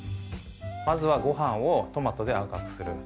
まずはご飯をトマトで赤くする。